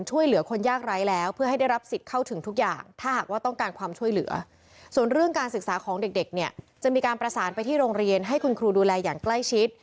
ช่วยเหลือส่วนเรื่องการศึกษาของเด็กเนี่ยจะมีการประสานไปที่โรงเรียนให้คุณครูดูแลอย่างใกล้ชิด